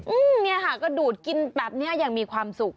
อืมเนี่ยค่ะก็ดูดกินแบบนี้อย่างมีความสุข